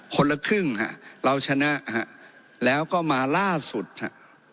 คนละครึ่งฮะเราชนะฮะแล้วก็มาล่าสุดฮะ